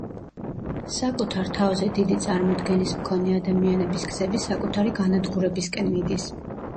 საკუთარ თავზე დიდი წარმოდგენის მქონე ადამიანების გზები საკუთარი განადგურებისკენ მიდის.